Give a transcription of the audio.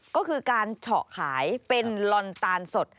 ก็คือการเฉาะขายเป็นลอนตาลสด